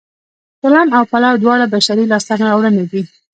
چلم او پلاو دواړه بشري لاسته راوړنې دي